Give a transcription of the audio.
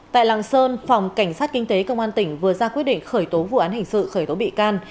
tại lạng sơn phòng cảnh sát kinh tế công an tỉnh vừa ra quyết định khởi tố vụ án hình sự khởi tố bị can